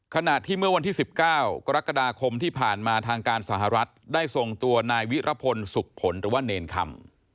ขณะที่เมื่อวันที่๑๙กรกฎาคมที่ผ่านมาทางการสหรัฐได้ส่งตัวนายวิรพลสุขผลหรือว่าเนรคำ